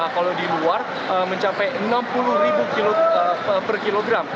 kalau di luar mencapai enam puluh kilogram